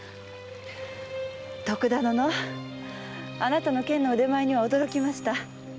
徳田殿あなたの剣の腕前には驚きました。